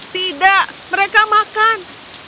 tidak mereka makan